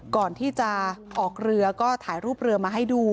ก่อนที่จะออกเรือก็ถ่ายรูปเรือมาให้ดู